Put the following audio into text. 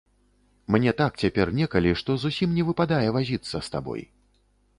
Мне так цяпер некалі, што зусім не выпадае вазіцца з табой.